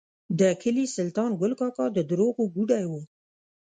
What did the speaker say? د کلي سلطان ګل کاکا د دروغو ګوډی و.